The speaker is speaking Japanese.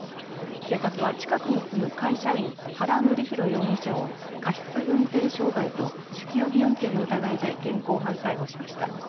警察は近くに住む会社員、原紀弘容疑者を過失運転傷害酒気帯び運転の疑いで現行犯逮捕しました。